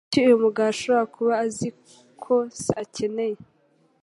Niki uyu mugabo ashobora kuba azi ko se akeneye?